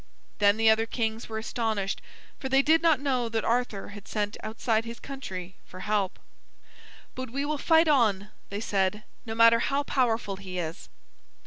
Then the other kings were astonished, for they did not know that Arthur had sent outside his country for help. "But we will fight on," they said, "no matter how powerful he is."